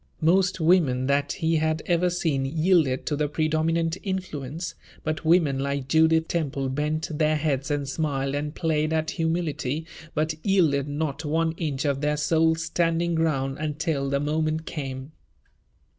Most women that he had ever seen yielded to the predominant influence; but women like Judith Temple bent their heads and smiled and played at humility, but yielded not one inch of their soul's standing ground until the moment came.